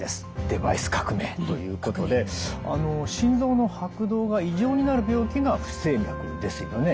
デバイス革命ということで心臓の拍動が異常になる病気が不整脈ですよね？